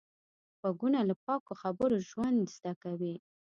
غوږونه له پاکو خبرو ژوند زده کوي